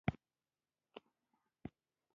ددې برعکس، ددې ولایت هزاره میشتو سیمو